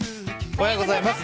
おはようございます。